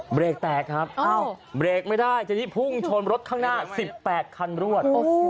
เบรกแตกครับเบรกไม่ได้ทีนี้พุ่งชนรถข้างหน้า๑๘คันรวด